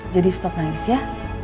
jadi stop nangis ya